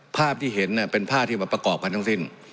ภาพที่เห็นเป็นภาพที่มาประกอบกันทั้งสิ้น